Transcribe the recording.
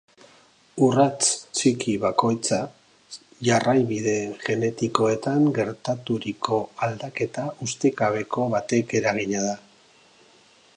Urrats txiki bakoitza jarraibide genetikoetan gertaturiko aldaketa ustekabeko batek eragina da.